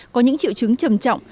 có những triệu chứng trầm trọng